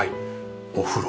お風呂。